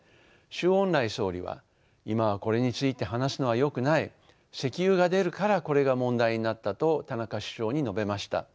周恩来総理は今はこれについて話すのはよくない石油が出るからこれが問題になったと田中首相に述べました。